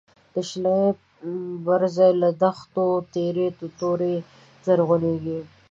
د شنلی بر ځای له دښتو، تیری توری زرعونیږی